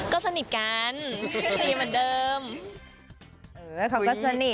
ก็สุขภาพชัดเจนกันสักคนนะตัวนี้